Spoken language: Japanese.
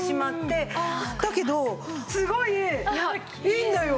だけどすごいいいんだよ！